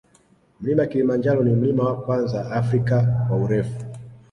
Mlima kilimanjaro ni mlima wa kwanza afrika kwa urefu